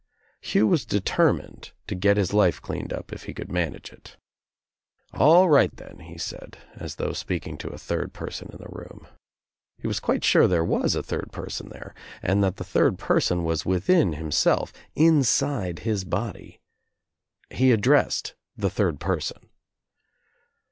Hugh was determined to get his life cleaned up if he could manage it. "All right, then," he said, as though speaking to a third person In the room. He was quite sure there was a third person there and that 120 THE TRIUMPH OF THE EGG the third person was within himself, inside his body. He addressed the third person.